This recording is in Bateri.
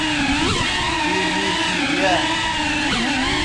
تِے می زِیب یاء